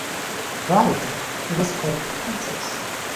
Prior to that, it was called Quintilis.